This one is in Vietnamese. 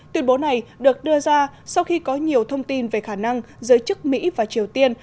tuyên bố này được đưa ra sau khi có nhiều thông tin về khả năng giới chức mỹ và triều tiên